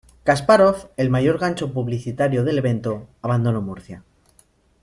Kaspárov, el mayor gancho publicitario del evento, abandonó Murcia.